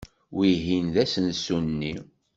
Wihin d asensu-nni.